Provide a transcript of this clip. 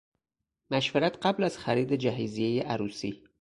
مشورت قبل از خرید جهیزیه عروس